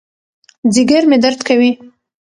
ځېګر مې درد کوي